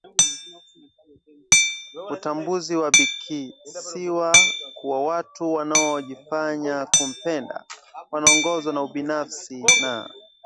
Utambuzi wa Bikisiwa kuwa watu wanaojifanya kumpenda wanaongozwa na ubinafsi na